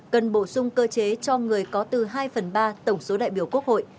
cần bổ sung cơ chế cho người có từ hai phần ba tổng số đại biểu quốc hội